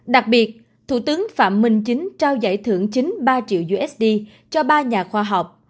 đặc biệt thủ tướng phạm minh chính trao giải thưởng chính ba triệu usd cho ba nhà khoa học